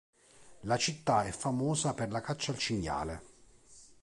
La città è famosa per la caccia al cinghiale.